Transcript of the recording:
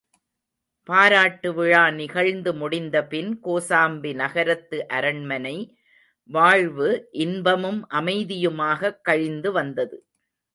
பாராட்டு விழா நிகழ்ந்து முடிந்தபின், கோசாம்பி நகரத்து அரண்மனை வாழ்வு இன்பமும் அமைதியுமாகக் கழிந்து வந்தது.